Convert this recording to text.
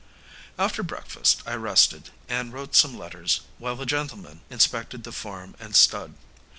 After breakfast I rested and wrote some letters, while the gentlemen inspected the farm and stud.